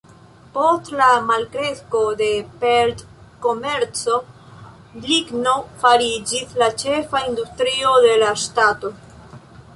Post la malkresko de pelt-komerco, ligno fariĝis la ĉefa industrio de la ŝtato.